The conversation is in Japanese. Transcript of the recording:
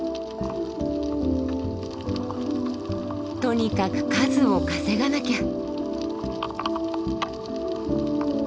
とにかく数を稼がなきゃ。